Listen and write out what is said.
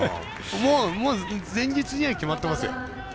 もう前日には決まってますよ。